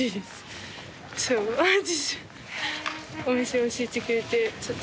お店教えてくれて。